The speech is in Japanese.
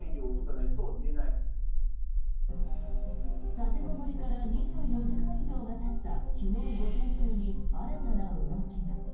立てこもりから２４時間以上がたった昨日午前中に新たな動きが。